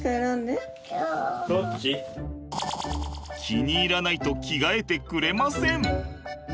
気に入らないと着替えてくれません。